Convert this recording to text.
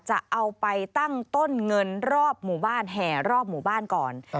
จะเอาไปตั้งต้นเงินรอบหมู่บ้านแห่รอบหมู่บ้านก่อน